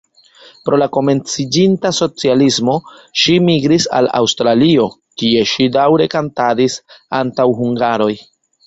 Pro la komenciĝinta socialismo ŝi migris al Aŭstralio, kie ŝi daŭre kantadis antaŭ hungaroj.